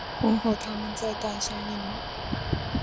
婚后他们再诞下一女。